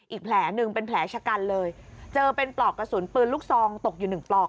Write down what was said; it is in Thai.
อีกแผลหนึ่งเป็นแผลชะกันเลยเจอเป็นปลอกกระสุนปืนลูกซองตกอยู่หนึ่งปลอก